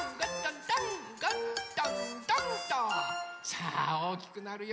さあおおきくなるよ。